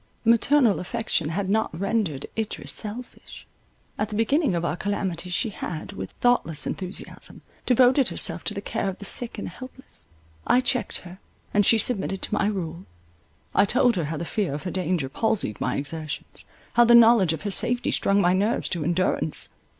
Maternal affection had not rendered Idris selfish; at the beginning of our calamity she had, with thoughtless enthusiasm, devoted herself to the care of the sick and helpless. I checked her; and she submitted to my rule. I told her how the fear of her danger palsied my exertions, how the knowledge of her safety strung my nerves to endurance.